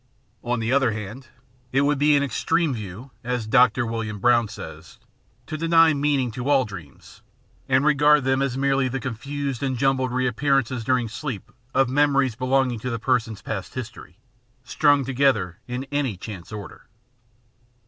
On the other hand, it would be an extreme view, as Dr. William Brown says, to deny all meaning to dreams, and regard them as merely the confused and jumbled reappearance during sleep of memories belonging to the person's past history, strung together in any chance order.